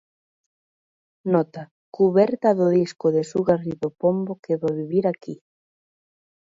Nota: cuberta do disco de Su Garrido Pombo quedo a vivir aquí.